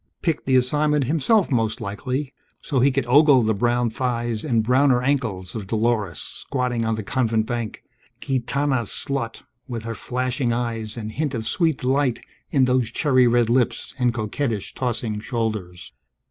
Picked the assignment himself, most likely, so he could ogle the brown thighs and browner ankles of Dolores squatting on the Convent bank, gitana slut with her flashing eyes and hint of sweet delight in those cherry red lips and coquettish tossing shoulders.